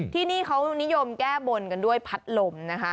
ที่นี่เขานิยมแก้บนกันด้วยพัดลมนะคะ